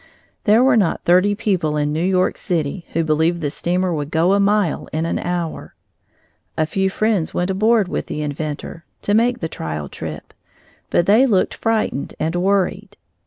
There were not thirty people in New York city who believed the steamer would go a mile in an hour. A few friends went aboard with the inventor, to make the trial trip, but they looked frightened and worried.